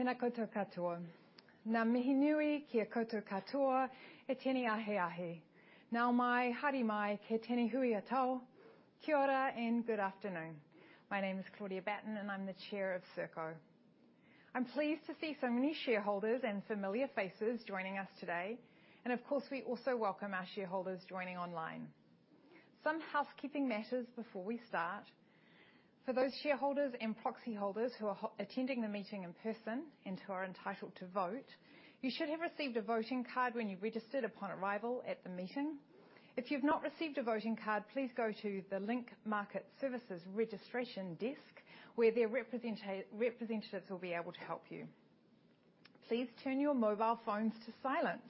Tēnā koutou katoa. Ngā mihi nui kia koutou katoa i tēnei ahiahi. Nau mai, haere mai ki tēnei hui a tau. Kia ora. Good afternoon. My name is Claudia Batten. I'm the chair of Serko. I'm pleased to see so many shareholders and familiar faces joining us today. Of course, we also welcome our shareholders joining online. Some housekeeping matters before we start. For those shareholders and proxy holders who are attending the meeting in person and who are entitled to vote, you should have received a voting card when you registered upon arrival at the meeting. If you've not received a voting card, please go to the Link Market Services registration desk, where their representatives will be able to help you. Please turn your mobile phones to silent.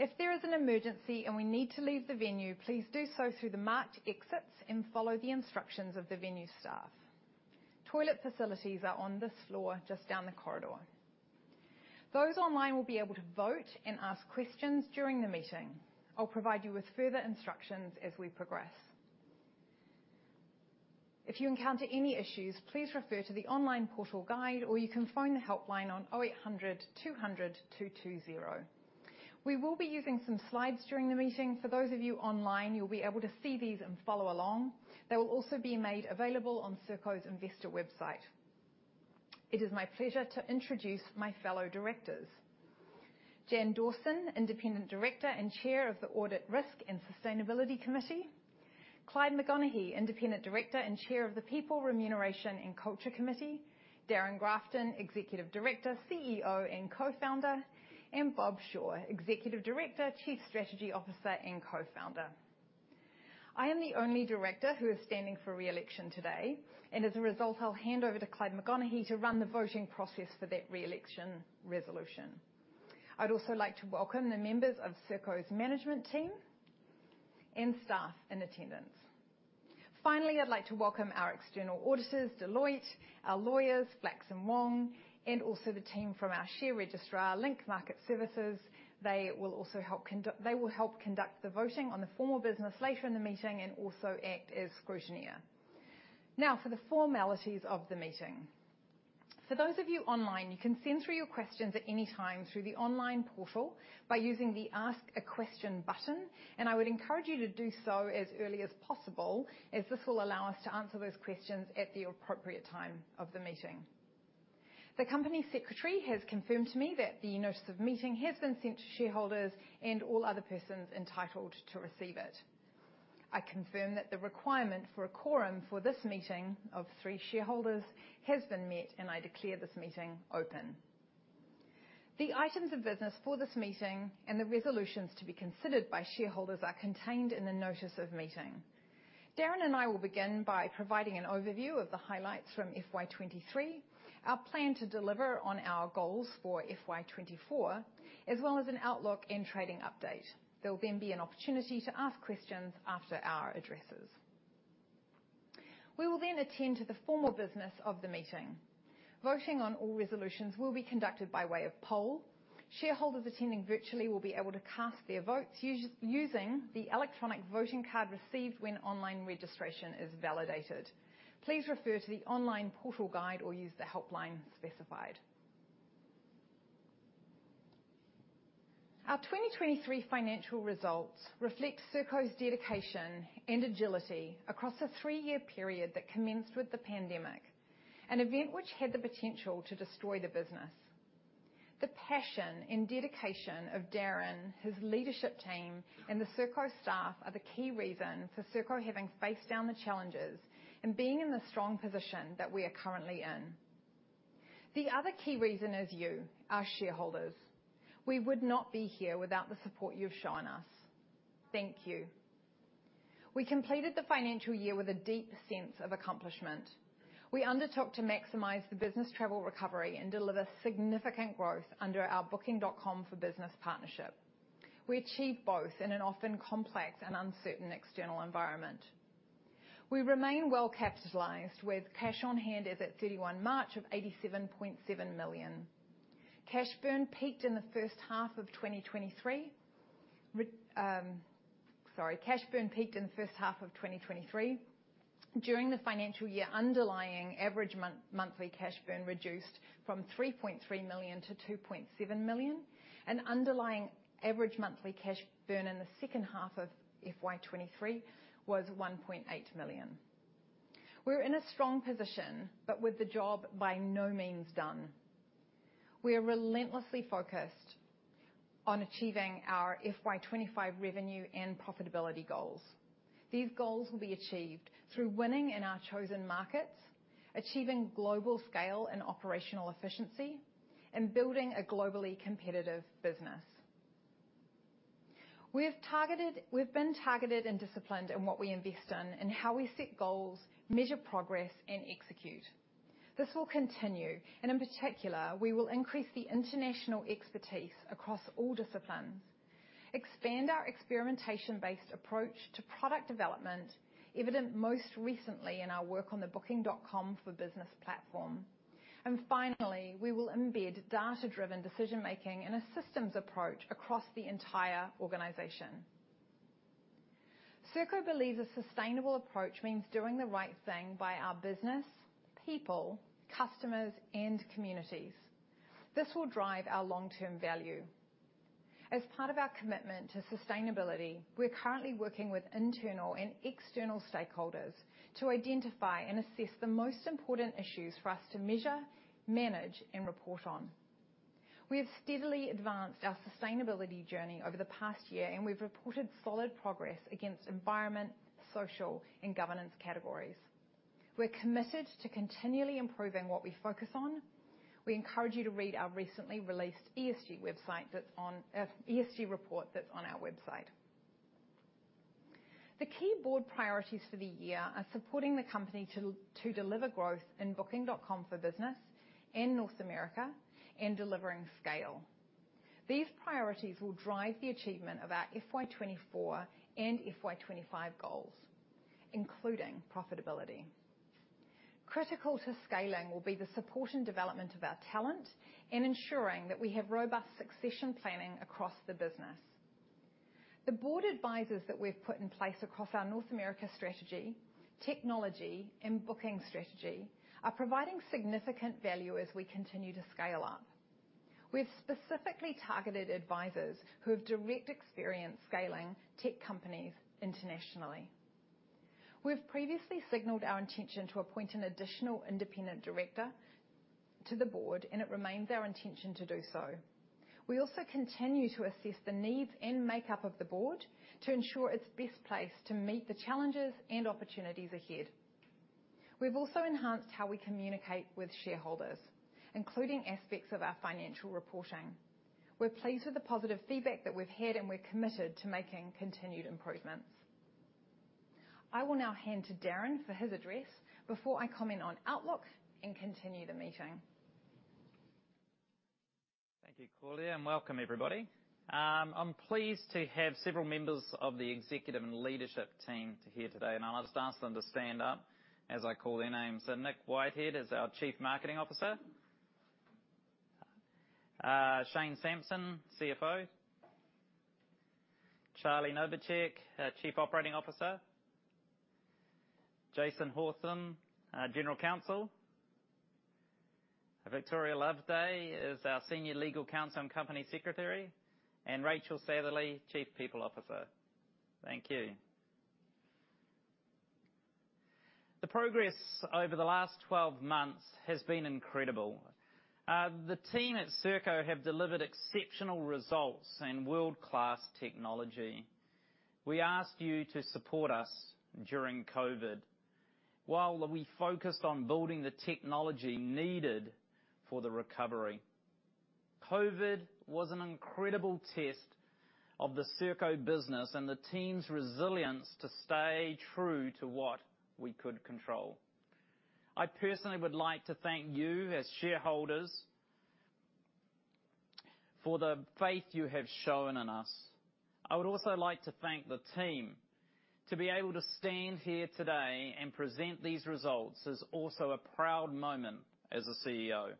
If there is an emergency and we need to leave the venue, please do so through the marked exits and follow the instructions of the venue staff. Toilet facilities are on this floor, just down the corridor. Those online will be able to vote and ask questions during the meeting. I'll provide you with further instructions as we progress. If you encounter any issues, please refer to the online portal guide, or you can phone the helpline on 0800 200 220. We will be using some slides during the meeting. For those of you online, you'll be able to see these and follow along. They will also be made available on Serko's investor website. It is my pleasure to introduce my fellow directors. Jan Dawson, Independent Director and Chair of the Audit, Risk, and Sustainability Committee. Clyde McConaghy, Independent Director and Chair of the People, Remuneration, and Culture Committee. Darrin Grafton, executive director, CEO, and co-founder, and Bob Shaw, executive director, chief strategy officer, and co-founder. I am the only director who is standing for re-election today, and as a result, I'll hand over to Clyde McConaghy to run the voting process for that re-election resolution. I'd also like to welcome the members of Serko's management team and staff in attendance. Finally, I'd like to welcome our external auditors, Deloitte, our lawyers, Flacks & Wong, and also the team from our share registrar, Link Market Services. They will help conduct the voting on the formal business later in the meeting and also act as scrutineer. Now, for the formalities of the meeting. For those of you online, you can send through your questions at any time through the online portal by using the Ask a Question button. I would encourage you to do so as early as possible, as this will allow us to answer those questions at the appropriate time of the meeting. The company secretary has confirmed to me that the notice of meeting has been sent to shareholders and all other persons entitled to receive it. I confirm that the requirement for a quorum for this meeting of three shareholders has been met. I declare this meeting open. The items of business for this meeting and the resolutions to be considered by shareholders are contained in the notice of meeting. Darrin and I will begin by providing an overview of the highlights from FY 2023, our plan to deliver on our goals for FY 2024, as well as an outlook and trading update. There will be an opportunity to ask questions after our addresses. We will attend to the formal business of the meeting. Voting on all resolutions will be conducted by way of poll. Shareholders attending virtually will be able to cast their votes using the electronic voting card received when online registration is validated. Please refer to the online portal guide or use the helpline specified. Our 2023 financial results reflect Serko's dedication and agility across a 3-year period that commenced with the pandemic, an event which had the potential to destroy the business. The passion and dedication of Darrin, his leadership team, and the Serko staff are the key reason for Serko having faced down the challenges and being in the strong position that we are currently in. The other key reason is you, our shareholders. We would not be here without the support you've shown us. Thank you. We completed the financial year with a deep sense of accomplishment. We undertook to maximize the business travel recovery and deliver significant growth under our Booking.com for Business partnership. We achieved both in an often complex and uncertain external environment. We remain well-capitalized, with cash on hand as at 31 March of 87.7 million. Cash burn peaked in the first half of 2023. Cash burn peaked in the first half of 2023. During the financial year, underlying average monthly cash burn reduced from 3.3 million to 2.7 million. Underlying average monthly cash burn in the second half of FY 2023 was 1.8 million. We're in a strong position, with the job by no means done. We are relentlessly focused on achieving our FY 2025 revenue and profitability goals. These goals will be achieved through winning in our chosen markets, achieving global scale and operational efficiency, and building a globally competitive business. We've been targeted and disciplined in what we invest in and how we set goals, measure progress, and execute. This will continue. In particular, we will increase the international expertise across all disciplines, expand our experimentation-based approach to product development, evident most recently in our work on the Booking.com for Business platform. Finally, we will embed data-driven decision-making and a systems approach across the entire organization. Serko believes a sustainable approach means doing the right thing by our business, people, customers, and communities. This will drive our long-term value. As part of our commitment to sustainability, we're currently working with internal and external stakeholders to identify and assess the most important issues for us to measure, manage, and report on. We have steadily advanced our sustainability journey over the past year, and we've reported solid progress against environment, social, and governance categories. We're committed to continually improving what we focus on. We encourage you to read our recently released ESG report that's on our website. The key board priorities for the year are supporting the company to deliver growth in Booking.com for Business in North America and delivering scale. These priorities will drive the achievement of our FY 2024 and FY 2025 goals, including profitability. Critical to scaling will be the support and development of our talent, and ensuring that we have robust succession planning across the business. The board advisors that we've put in place across our North America strategy, technology, and booking strategy are providing significant value as we continue to scale up. We've specifically targeted advisors who have direct experience scaling tech companies internationally. We've previously signaled our intention to appoint an additional independent director to the board, and it remains our intention to do so. We also continue to assess the needs and makeup of the board to ensure it's best placed to meet the challenges and opportunities ahead. We've also enhanced how we communicate with shareholders, including aspects of our financial reporting. We're pleased with the positive feedback that we've had, and we're committed to making continued improvements. I will now hand to Darrin for his address before I comment on outlook and continue the meeting. Thank you, Claudia. Welcome everybody. I'm pleased to have several members of the executive and leadership team here today. I'll just ask them to stand up as I call their names. Nick Whitehead is our Chief Marketing Officer. Shane Sampson, CFO. Charlie Nowaczek, our Chief Operating Officer. Jason Hawthorne, our General Counsel. Victoria Loveday is our Senior Legal Counsel and Company Secretary. Rachael Satherley, Chief People Officer. Thank you. The progress over the last 12 months has been incredible. The team at Serko have delivered exceptional results and world-class technology. We asked you to support us during COVID, while we focused on building the technology needed for the recovery. COVID was an incredible test of the Serko business and the team's resilience to stay true to what we could control. I personally would like to thank you, as shareholders, for the faith you have shown in us. I would also like to thank the team. To be able to stand here today and present these results is also a proud moment as a CEO.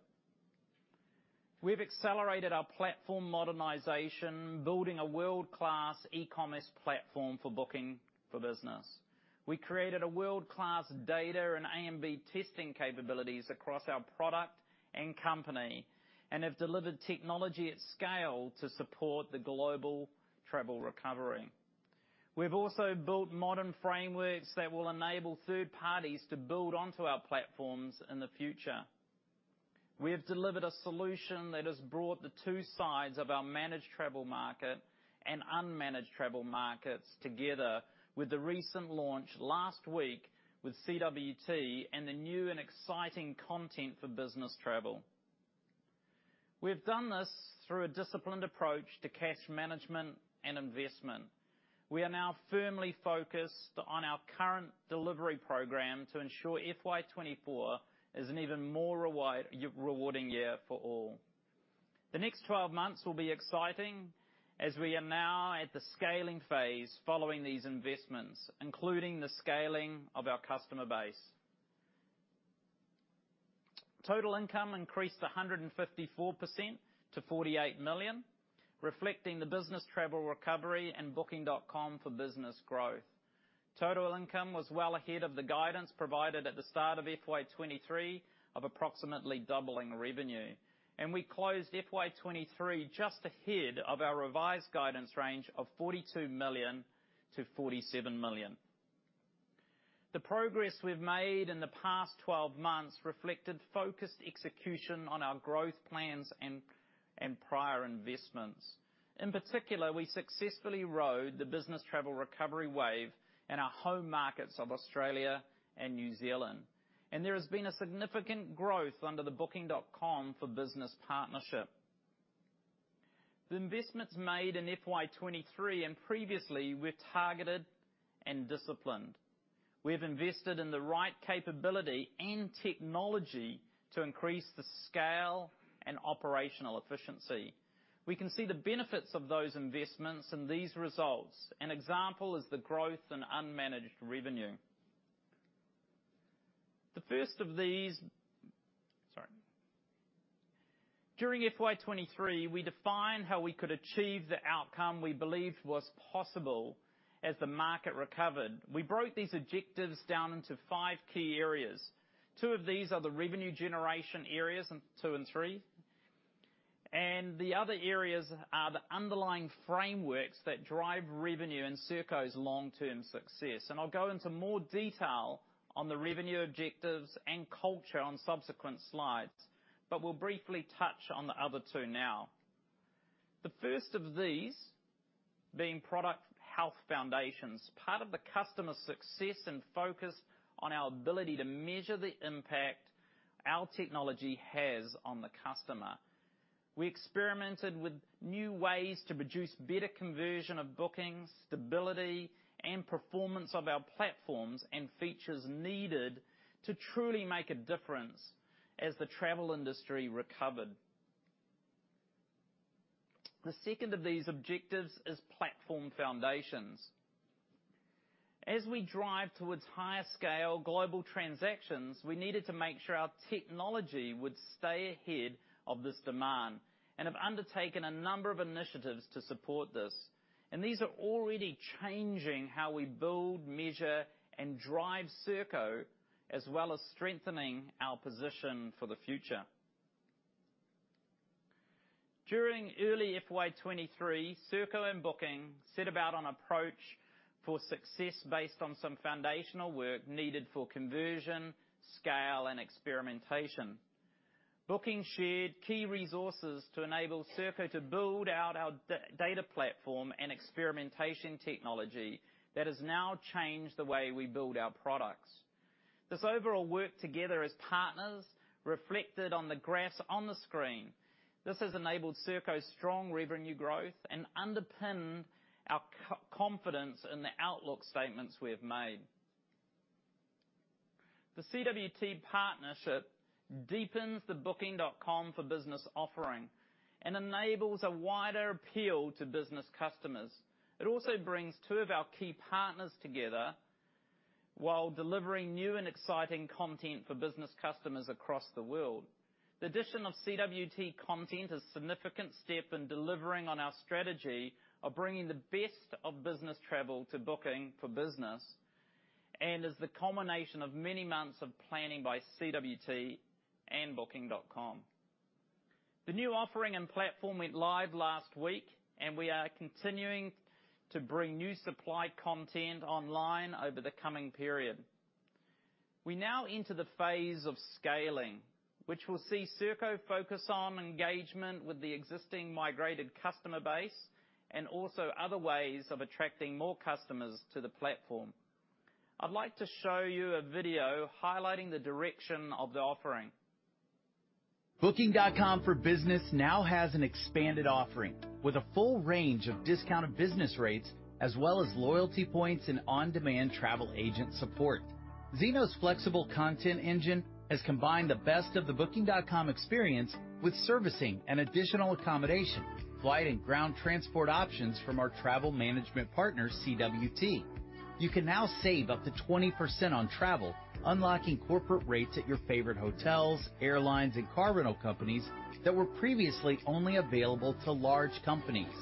We've accelerated our platform modernization, building a world-class e-commerce platform for Booking.com for Business. We created a world-class data and A/B testing capabilities across our product and company, and have delivered technology at scale to support the global travel recovery. We've also built modern frameworks that will enable third parties to build onto our platforms in the future. We have delivered a solution that has brought the two sides of our managed travel market and unmanaged travel markets together with the recent launch last week with CWT and the new and exciting content for business travel. We have done this through a disciplined approach to cash management and investment. We are now firmly focused on our current delivery program to ensure FY 2024 is an even more rewarding year for all. The next 12 months will be exciting, as we are now at the scaling phase following these investments, including the scaling of our customer base. Total income increased 154% to 48 million, reflecting the business travel recovery and Booking.com for Business growth. Total income was well ahead of the guidance provided at the start of FY 2023, of approximately doubling revenue. We closed FY 2023 just ahead of our revised guidance range of 42 million-47 million. The progress we've made in the past 12 months reflected focused execution on our growth plans and prior investments. In particular, we successfully rode the business travel recovery wave in our home markets of Australia and New Zealand, and there has been a significant growth under the Booking.com for Business partnership. The investments made in FY 2023 and previously were targeted and disciplined. We have invested in the right capability and technology to increase the scale and operational efficiency. We can see the benefits of those investments in these results. An example is the growth in unmanaged revenue. During FY 2023, we defined how we could achieve the outcome we believed was possible as the market recovered. We broke these objectives down into 5 key areas. 2 of these are the revenue generation areas, in 2 and 3, and the other areas are the underlying frameworks that drive revenue and Serko's long-term success. I'll go into more detail on the revenue objectives and culture on subsequent slides, but we'll briefly touch on the other two now. The first of these being product health foundations, part of the customer success and focus on our ability to measure the impact our technology has on the customer. We experimented with new ways to produce better conversion of bookings, stability, and performance of our platforms, and features needed to truly make a difference as the travel industry recovered. The second of these objectives is platform foundations. As we drive towards higher scale global transactions, we needed to make sure our technology would stay ahead of this demand, and have undertaken a number of initiatives to support this. These are already changing how we build, measure, and drive Serko, as well as strengthening our position for the future. During early FY 23, Serko and Booking.com set about an approach for success based on some foundational work needed for conversion, scale, and experimentation. Booking.com shared key resources to enable Serko to build out our data platform and experimentation technology that has now changed the way we build our products. This overall work together as partners reflected on the graphs on the screen. This has enabled Serko's strong revenue growth and underpinned our confidence in the outlook statements we have made. The CWT partnership deepens the Booking.com for Business offering and enables a wider appeal to business customers. It also brings two of our key partners together, while delivering new and exciting content for business customers across the world. The addition of CWT content is a significant step in delivering on our strategy of bringing the best of business travel to booking for business, and is the culmination of many months of planning by CWT and Booking.com. The new offering and platform went live last week. We are continuing to bring new supply content online over the coming period. We now enter the phase of scaling, which will see Serko focus on engagement with the existing migrated customer base, and also other ways of attracting more customers to the platform. I'd like to show you a video highlighting the direction of the offering. Booking.com for Business now has an expanded offering, with a full range of discounted business rates, as well as loyalty points and on-demand travel agent support. Zeno's flexible content engine has combined the best of the Booking.com experience with servicing and additional accommodation, flight and ground transport options from our travel management partner, CWT. You can now save up to 20% on travel, unlocking corporate rates at your favorite hotels, airlines, and car rental companies that were previously only available to large companies.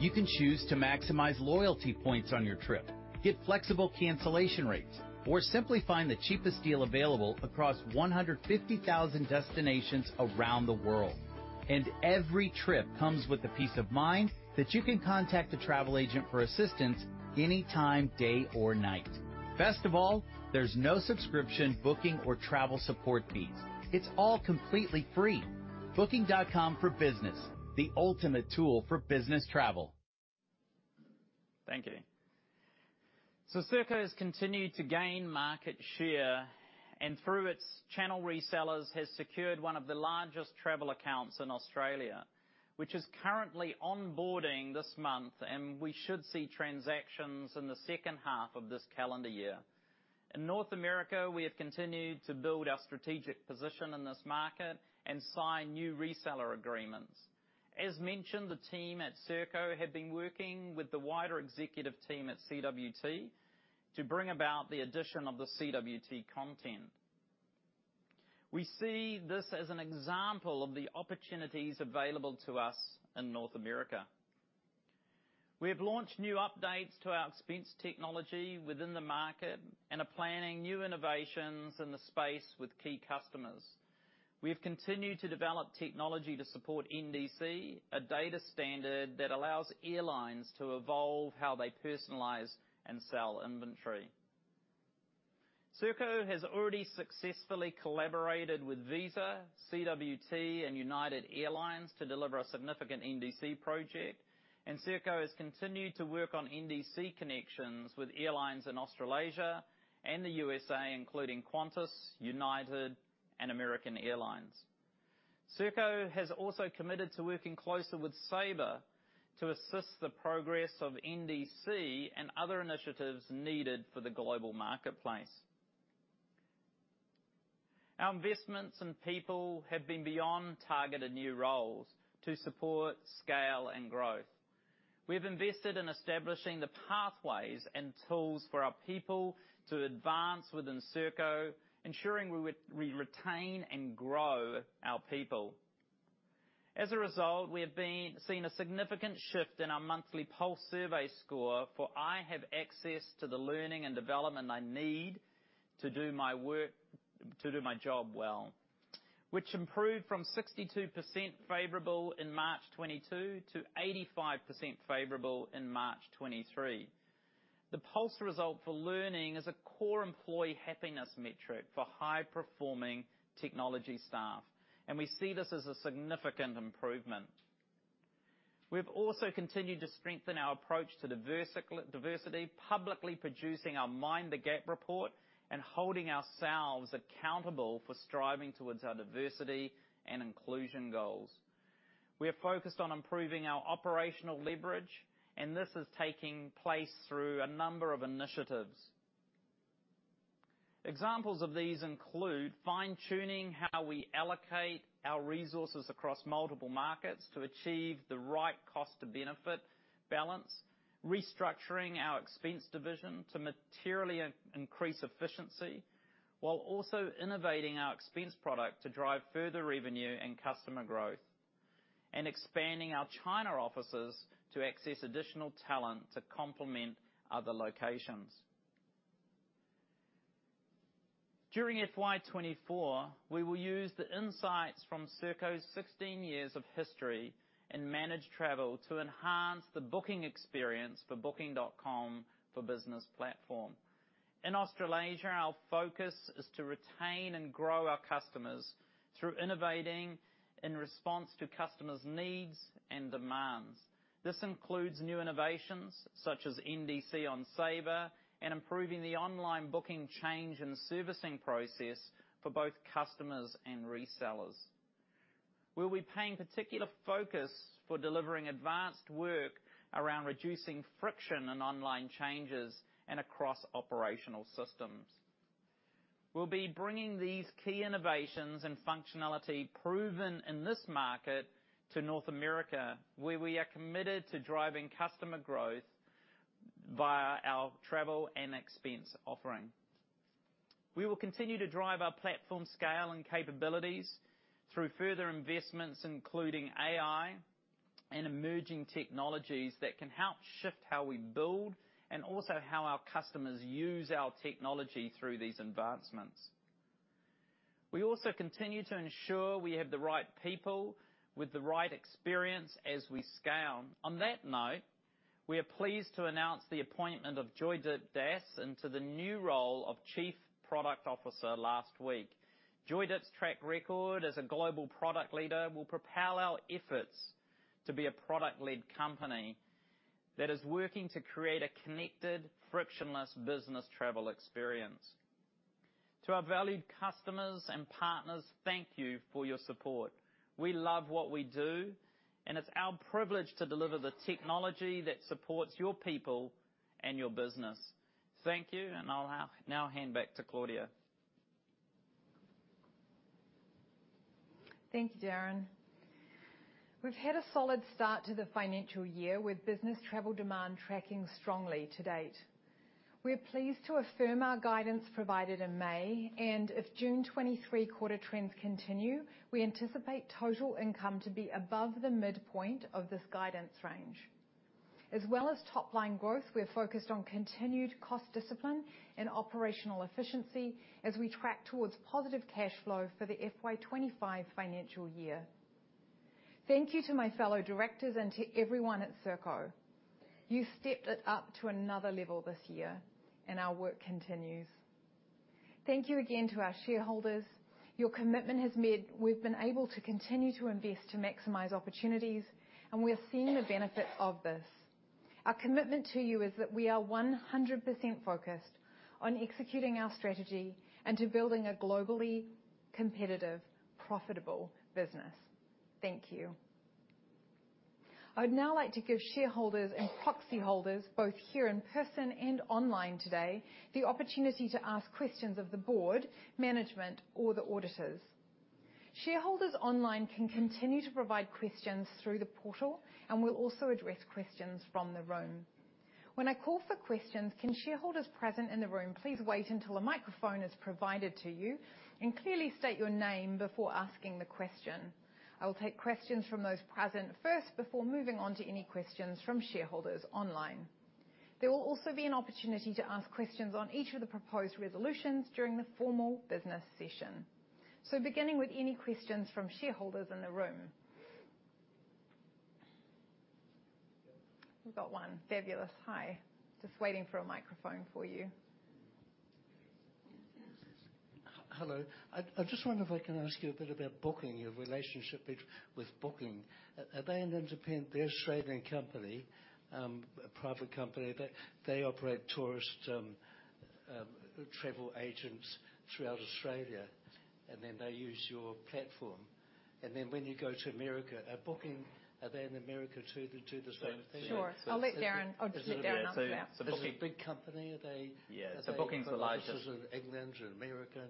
You can choose to maximize loyalty points on your trip, get flexible cancellation rates, or simply find the cheapest deal available across 150,000 destinations around the world. Every trip comes with the peace of mind that you can contact a travel agent for assistance anytime, day or night. Best of all, there's no subscription, booking, or travel support fees. It's all completely free. Booking.com for Business, the ultimate tool for business travel. Thank you. Serko has continued to gain market share, and through its channel resellers, has secured one of the largest travel accounts in Australia, which is currently onboarding this month, and we should see transactions in the second half of this calendar year. In North America, we have continued to build our strategic position in this market and sign new reseller agreements. As mentioned, the team at Serko have been working with the wider executive team at CWT to bring about the addition of the CWT content. We see this as an example of the opportunities available to us in North America. We have launched new updates to our expense technology within the market and are planning new innovations in the space with key customers. We have continued to develop technology to support NDC, a data standard that allows airlines to evolve how they personalize and sell inventory. Serko has already successfully collaborated with Visa, CWT, and United Airlines to deliver a significant NDC project, and Serko has continued to work on NDC connections with airlines in Australasia and the USA, including Qantas, United, and American Airlines. Serko has also committed to working closely with Sabre to assist the progress of NDC and other initiatives needed for the global marketplace. Our investments in people have been beyond targeted new roles to support scale and growth. We've invested in establishing the pathways and tools for our people to advance within Serko, ensuring we retain and grow our people. As a result, we have seen a significant shift in our monthly pulse survey score for, "I have access to the learning and development I need to do my work, to do my job well," which improved from 62% favorable in March 2022 to 85% favorable in March 2023. The pulse result for learning is a core employee happiness metric for high-performing technology staff, and we see this as a significant improvement. We've also continued to strengthen our approach to diversity, publicly producing our Mind the Gap report, and holding ourselves accountable for striving towards our diversity and inclusion goals. We are focused on improving our operational leverage. This is taking place through a number of initiatives. Examples of these include fine-tuning how we allocate our resources across multiple markets to achieve the right cost-to-benefit balance, restructuring our expense division to materially increase efficiency, while also innovating our expense product to drive further revenue and customer growth, and expanding our China offices to access additional talent to complement other locations. During FY 2024, we will use the insights from Serko's 16 years of history in managed travel to enhance the booking experience for Booking.com for Business platform. In Australasia, our focus is to retain and grow our customers through innovating in response to customers' needs and demands. This includes new innovations such as NDC on Sabre, and improving the online booking change and servicing process for both customers and resellers. We'll be paying particular focus for delivering advanced work around reducing friction in online changes and across operational systems. We'll be bringing these key innovations and functionality proven in this market to North America, where we are committed to driving customer growth via our travel and expense offering. We will continue to drive our platform scale and capabilities through further investments, including AI and emerging technologies that can help shift how we build, and also how our customers use our technology through these advancements. We also continue to ensure we have the right people with the right experience as we scale. On that note, we are pleased to announce the appointment of Joydip Das into the new role of Chief Product Officer last week. Joydip's track record as a global product leader will propel our efforts to be a product-led company that is working to create a connected, frictionless business travel experience. To our valued customers and partners, thank you for your support. We love what we do, and it's our privilege to deliver the technology that supports your people and your business. Thank you. I'll now hand back to Claudia. Thank you, Darrin. We've had a solid start to the financial year, with business travel demand tracking strongly to date. We are pleased to affirm our guidance provided in May, and if June 2023 quarter trends continue, we anticipate total income to be above the midpoint of this guidance range. As well as top-line growth, we're focused on continued cost discipline and operational efficiency as we track towards positive cash flow for the FY 2025 financial year. Thank you to my fellow directors and to everyone at Serko. You've stepped it up to another level this year, and our work continues. Thank you again to our shareholders. Your commitment has meant we've been able to continue to invest to maximize opportunities, and we are seeing the benefits of this. Our commitment to you is that we are 100% focused on executing our strategy and to building a globally competitive, profitable business. Thank you. I would now like to give shareholders and proxy holders, both here in person and online today, the opportunity to ask questions of the board, management, or the auditors. Shareholders online can continue to provide questions through the portal, and we'll also address questions from the room. When I call for questions, can shareholders present in the room, please wait until a microphone is provided to you, and clearly state your name before asking the question. I will take questions from those present first, before moving on to any questions from shareholders online. There will also be an opportunity to ask questions on each of the proposed resolutions during the formal business session. Beginning with any questions from shareholders in the room. We've got one. Fabulous. Hi, just waiting for a microphone for you. Hello. I just wonder if I can ask you a bit about Booking, your relationship with Booking. Are they an independent? They're an Australian company, a private company, but they operate tourist travel agents throughout Australia, and then they use your platform. When you go to America, are Booking, are they in America, too, to do the same thing? Sure. I'll let Darrin, I'll just let Darrin answer that. This is a big company? offices in England and America?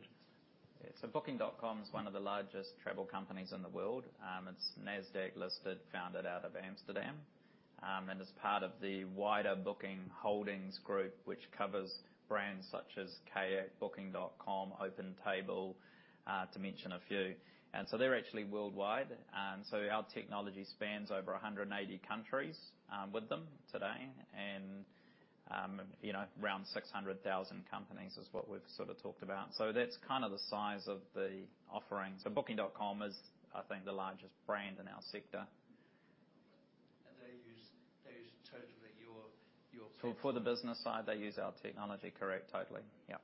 Booking.com is one of the largest travel companies in the world. It's NASDAQ-listed, founded out of Amsterdam, and is part of the wider Booking Holdings group, which covers brands such as Kayak, Booking.com, OpenTable, to mention a few. They're actually worldwide. Our technology spans over 180 countries with them today, you know, around 600,000 companies is what we've sort of talked about. That's kind of the size of the offering. Booking.com is, I think, the largest brand in our sector. They use totally your technology. For the business side, they use our technology, correct. Totally. Yep.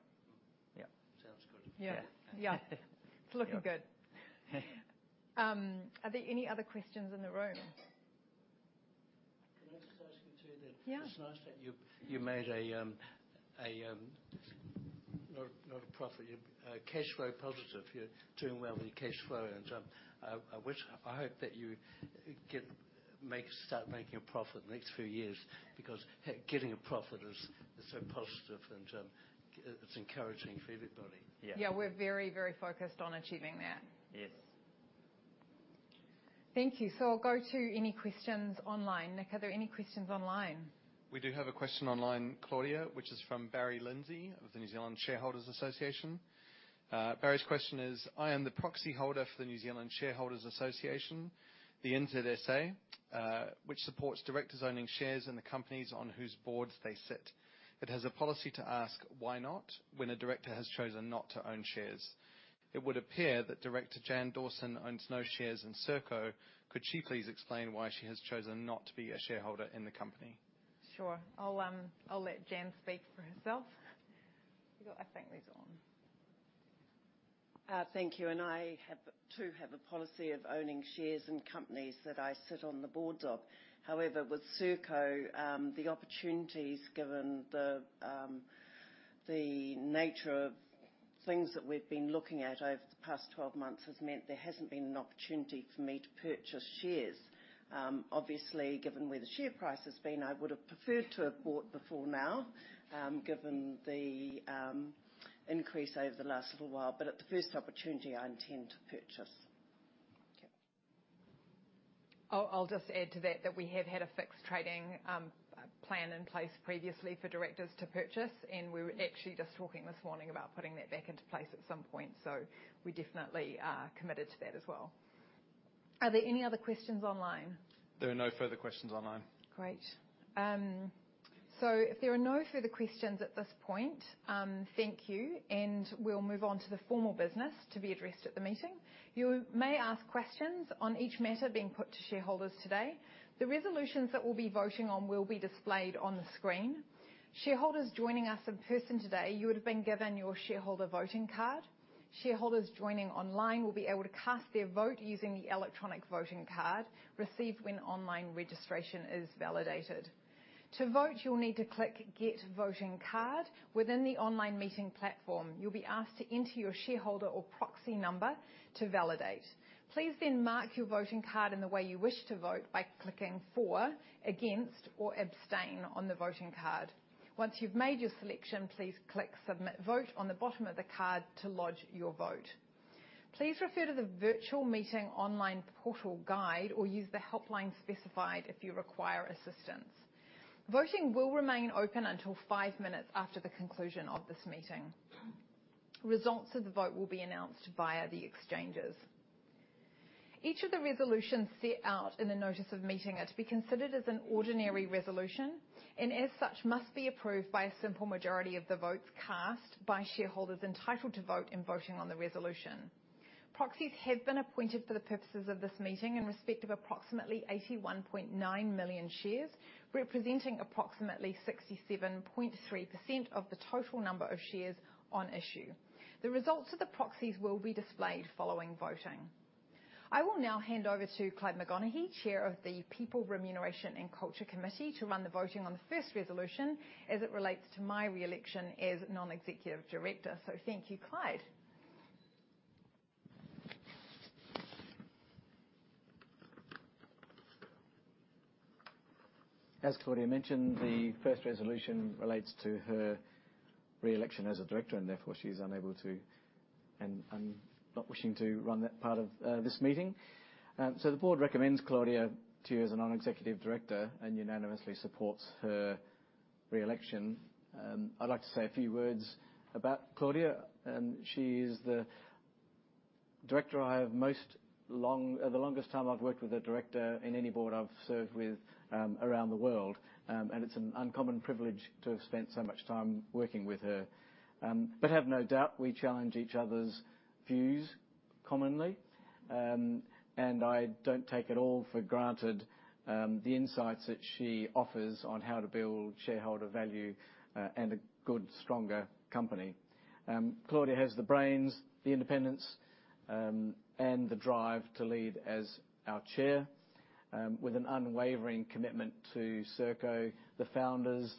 Sounds good. Yeah. Yeah. It's looking good. Are there any other questions in the room? Can I just ask you, too, then? Yeah. It's nice that you made a not a profit, a cash flow positive. You're doing well with your cash flow. I hope that you get, make, start making a profit in the next few years, because getting a profit is so positive, and it's encouraging for everybody. Yeah, we're very, very focused on achieving that. Yes. Thank you. I'll go to any questions online. Nick, are there any questions online? We do have a question online, Claudia, which is from Barry Lindsay of the New Zealand Shareholders' Association. Barry's question is: "I am the proxy holder for the New Zealand Shareholders' Association, the NZSA, which supports directors owning shares in the companies on whose boards they sit. It has a policy to ask, 'Why not?' when a director has chosen not to own shares. It would appear that Director Jan Dawson owns no shares in Serko. Could she please explain why she has chosen not to be a shareholder in the company? Sure. I'll let Jan speak for herself. I think these are on. Thank you, and I have, too, have a policy of owning shares in companies that I sit on the boards of. However, with Serko, the opportunities, given the nature of things that we've been looking at over the past 12 months, has meant there hasn't been an opportunity for me to purchase shares. Obviously, given where the share price has been, I would have preferred to have bought before now, given the increase over the last little while, but at the first opportunity, I intend to purchase. Thank you. I'll just add to that we have had a fixed trading plan in place previously for directors to purchase. We were actually just talking this morning about putting that back into place at some point. We definitely are committed to that as well. Are there any other questions online? There are no further questions online. Great. If there are no further questions at this point, thank you, we'll move on to the formal business to be addressed at the meeting. You may ask questions on each matter being put to shareholders today. The resolutions that we'll be voting on will be displayed on the screen. Shareholders joining us in person today, you would have been given your shareholder voting card. Shareholders joining online will be able to cast their vote using the electronic voting card received when online registration is validated. To vote, you'll need to click Get Voting Card within the online meeting platform. You'll be asked to enter your shareholder or proxy number to validate. Please mark your voting card in the way you wish to vote by clicking For, Against, or Abstain on the voting card. Once you've made your selection, please click Submit Vote on the bottom of the card to lodge your vote. Please refer to the virtual meeting online portal guide or use the helpline specified if you require assistance. Voting will remain open until five minutes after the conclusion of this meeting. Results of the vote will be announced via the exchanges. Each of the resolutions set out in the notice of meeting are to be considered as an ordinary resolution, and as such, must be approved by a simple majority of the votes cast by shareholders entitled to vote in voting on the resolution. Proxies have been appointed for the purposes of this meeting in respect of approximately 81.9 million shares, representing approximately 67.3% of the total number of shares on issue. The results of the proxies will be displayed following voting. I will now hand over to Clyde McConaghy, Chair of the People, Remuneration, and Culture Committee, to run the voting on the first resolution as it relates to my re-election as non-executive director. Thank you, Clyde. As Claudia mentioned, the first resolution relates to her re-election as a director, and therefore, she is unable to, and not wishing to, run that part of this meeting. The board recommends Claudia to you as a non-executive director and unanimously supports her re-election. I'd like to say a few words about Claudia. She is the director the longest time I've worked with a director in any board I've served with, around the world. It's an uncommon privilege to have spent so much time working with her. Have no doubt, we challenge each other's views commonly, I don't take it all for granted, the insights that she offers on how to build shareholder value, and a good, stronger company. Claudia has the brains, the independence, and the drive to lead as our chair, with an unwavering commitment to Serko, the founders,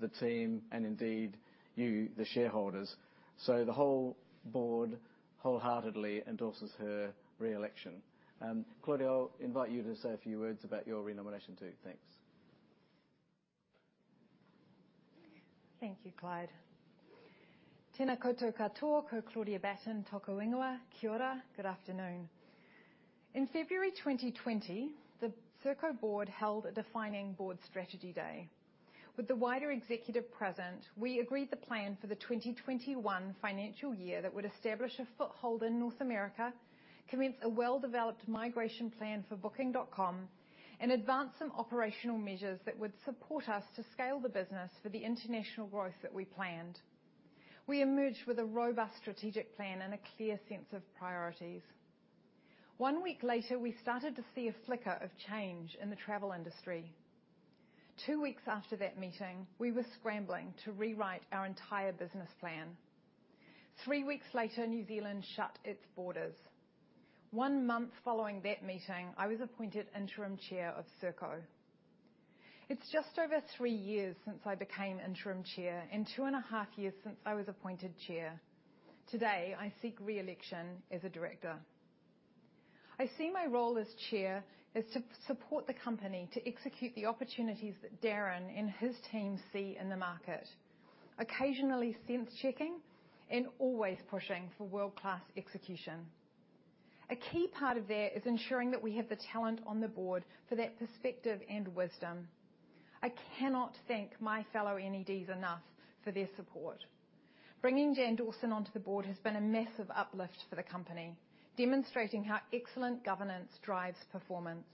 the team, and indeed, you, the shareholders. The whole board wholeheartedly endorses her re-election. Claudia, I'll invite you to say a few words about your re-nomination, too. Thanks. Thank you, Clyde. Tēnā koutou katoa. Ko Claudia Batten toku ingoa. Kia ora. Good afternoon. In February 2020, the Serko board held a defining board strategy day. With the wider executive present, we agreed the plan for the 2021 financial year that would establish a foothold in North America, commence a well-developed migration plan for Booking.com, and advance some operational measures that would support us to scale the business for the international growth that we planned. We emerged with a robust strategic plan and a clear sense of priorities. 1 week later, we started to see a flicker of change in the travel industry. 2 weeks after that meeting, we were scrambling to rewrite our entire business plan. 3 weeks later, New Zealand shut its borders. 1 month following that meeting, I was appointed interim Chair of Serko. It's just over 3 years since I became interim chair and 2 and a half years since I was appointed chair. Today, I seek re-election as a director. I see my role as chair is to support the company to execute the opportunities that Darrin and his team see in the market, occasionally sense-checking and always pushing for world-class execution. A key part of that is ensuring that we have the talent on the board for that perspective and wisdom. I cannot thank my fellow NEDs enough for their support. Bringing Jan Dawson onto the board has been a massive uplift for the company, demonstrating how excellent governance drives performance.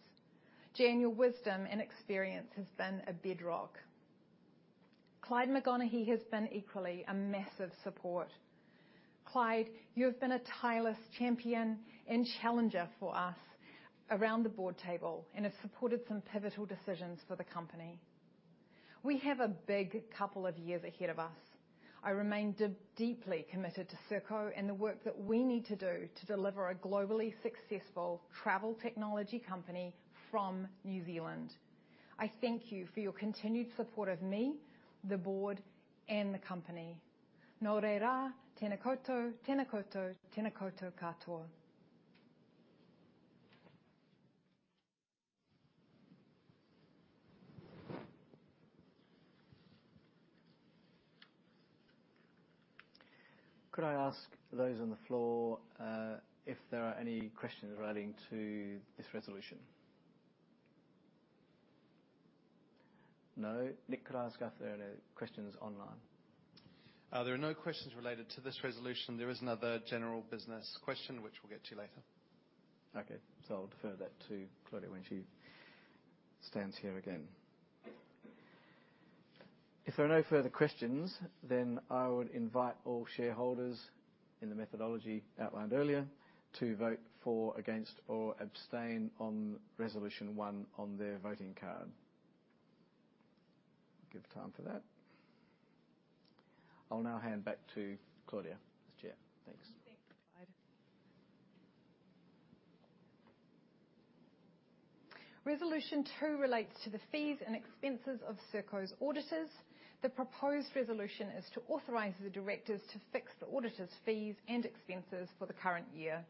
Jan, your wisdom and experience has been a bedrock. Clyde McConaghy has been equally a massive support. Clyde, you have been a tireless champion and challenger for us around the board table and have supported some pivotal decisions for the company. We have a big couple of years ahead of us. I remain deeply committed to Serko and the work that we need to do to deliver a globally successful travel technology company from New Zealand. I thank you for your continued support of me, the board, and the company. Nō reira, tēnā koutou, tēnā koutou, tēnā koutou katoa. Could I ask those on the floor, if there are any questions relating to this resolution? No. Nick, could I ask if there are any questions online? There are no questions related to this resolution. There is another general business question, which we'll get to later. I'll defer that to Claudia when she stands here again. If there are no further questions, I would invite all shareholders, in the methodology outlined earlier, to vote for, against, or abstain on resolution one on their voting card. Give time for that. I'll now hand back to Claudia, as chair. Thanks. Thank you, Clyde. Resolution 2 relates to the fees and expenses of Serko's auditors. The proposed resolution is to authorize the directors to fix the auditors' fees and expenses for the current year.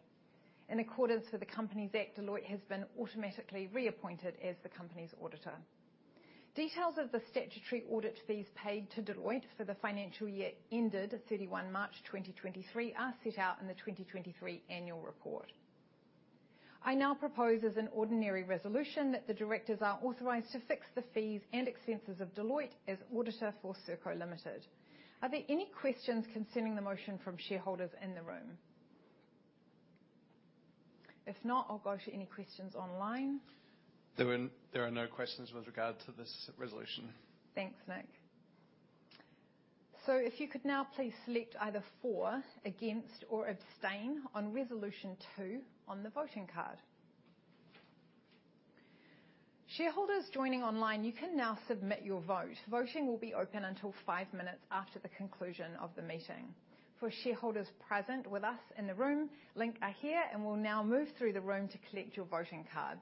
In accordance with the Companies Act, Deloitte has been automatically reappointed as the company's auditor. Details of the statutory audit fees paid to Deloitte for the financial year ended 31 March 2023 are set out in the 2023 annual report. I now propose as an ordinary resolution that the directors are authorized to fix the fees and expenses of Deloitte as auditor for Serko Limited. Are there any questions concerning the motion from shareholders in the room? If not, I'll go to any questions online. There are no questions with regard to this resolution. Thanks, Nick. If you could now please select either for, against, or abstain on resolution 2 on the voting card. Shareholders joining online, you can now submit your vote. Voting will be open until 5 minutes after the conclusion of the meeting. For shareholders present with us in the room, Link are here, and will now move through the room to collect your voting cards.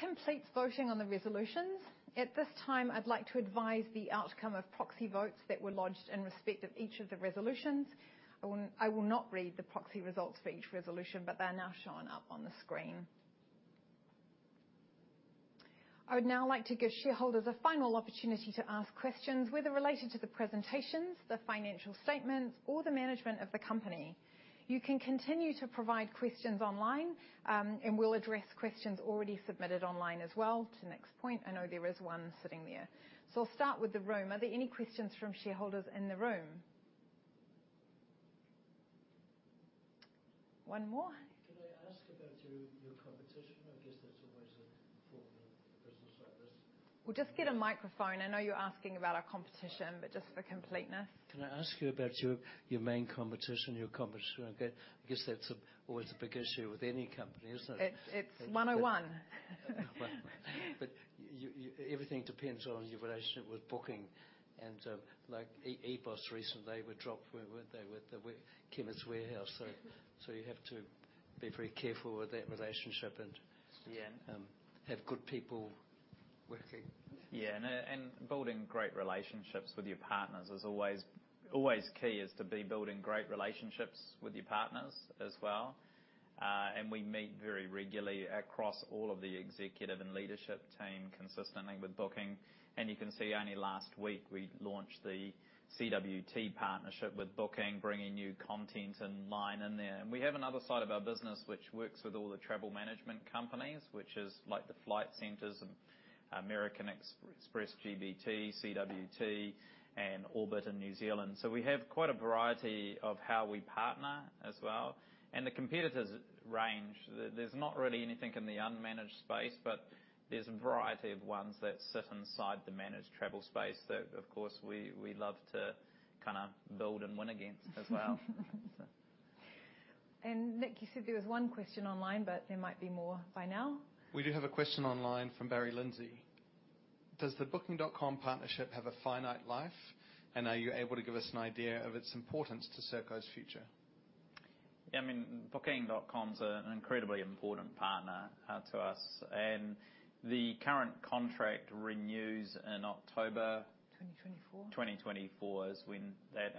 That completes voting on the resolutions. At this time, I'd like to advise the outcome of proxy votes that were lodged in respect of each of the resolutions. I will not read the proxy results for each resolution, but they are now showing up on the screen. I would now like to give shareholders a final opportunity to ask questions, whether related to the presentations, the financial statements, or the management of the company. You can continue to provide questions online, and we'll address questions already submitted online as well. To Nick's point, I know there is one sitting there. I'll start with the room. Are there any questions from shareholders in the room? One more. Can I ask about your competition? I guess that's always a form of business service. We'll just get a microphone. I know you're asking about our competition, but just for completeness. Can I ask you about your main competition, your competition, okay? I guess that's always a big issue with any company, isn't it? It's 101. You everything depends on your relationship with Booking and, like, EBOS recently, they were dropped, weren't they, with the Chemist Warehouse? You have to be very careful with that relationship and have good people. Building great relationships with your partners is always key, is to be building great relationships with your partners as well. We meet very regularly across all of the executive and leadership team consistently with Booking. You can see only last week we launched the CWT partnership with Booking, bringing new content and line in there. We have another side of our business which works with all the travel management companies, which is like the Flight Centre, American Express GBT, CWT, and Orbit in New Zealand. We have quite a variety of how we partner as well. The competitors range, there's not really anything in the unmanaged space, but there's a variety of ones that sit inside the managed travel space that, of course, we love to kind of build and win against as well. Nick, you said there was one question online, but there might be more by now. We do have a question online from Barry Lindsay: Does the Booking.com partnership have a finite life, and are you able to give us an idea of its importance to Serko's future? Yeah, I mean, Booking.com is an incredibly important partner, to us, and the current contract renews in October.2024 is when that.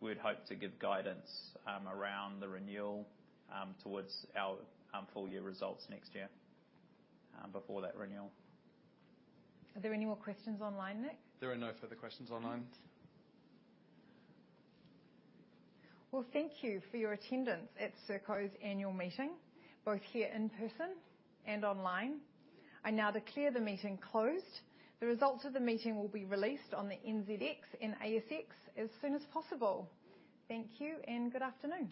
We'd hope to give guidance around the renewal towards our full year results next year before that renewal. Are there any more questions online, Nick? There are no further questions online. Well, thank you for your attendance at Serko's annual meeting, both here in person and online. I now declare the meeting closed. The results of the meeting will be released on the NZX and ASX as soon as possible. Thank you, and good afternoon.